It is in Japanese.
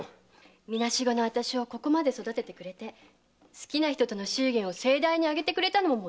みなしごのあたしをここまで育ててくれて好きな人との祝言を盛大に挙げてくれたのも元締。